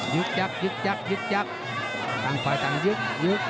ยึกยักยึกยักยึกยัก